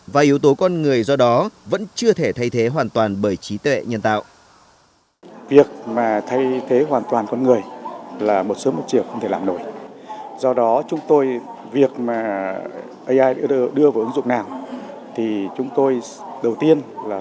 và yếu tố con người do đó vẫn chưa được phát triển